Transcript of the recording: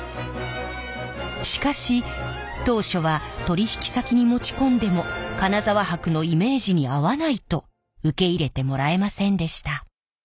しかし当初は取引先に持ち込んでも金沢箔のイメージに合わないと受け入れてもらえませんでした。